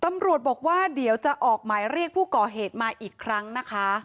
ตำรวจบอกว่าเดี๋ยวจะออกหมายเรียกผู้ก่อเหตุมาอีกครั้งนะคะ